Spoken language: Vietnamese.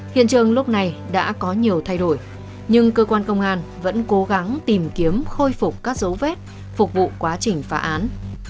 hiện trường lúc này đã có nhiều thay đổi nhưng cơ quan công an vẫn cố gắng tìm kiếm khôi phục các dấu vết phục vụ quá trình phá án